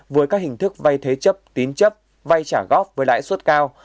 với các hình thức vay thế chấp tín chấp vay trả góp với lãi suất cao